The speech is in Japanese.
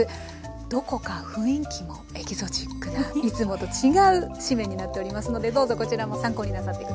どこか雰囲気もエキゾチックないつもと違う誌面になっておりますのでどうぞこちらも参考になさって下さい。